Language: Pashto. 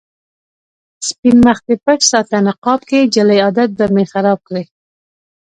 سپين مخ دې پټ ساته نقاب کې، جلۍ عادت به مې خراب کړې